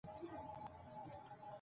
ښه ټیم همېشه منظم يي.